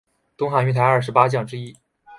东汉云台二十八将之一。